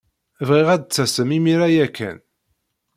Bɣiɣ ad d-tasem imir-a ya kan.